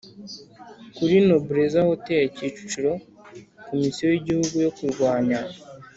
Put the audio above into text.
kuri Nobleza Hotel Kicukiro Komisiyo y Igihugu yo Kurwanya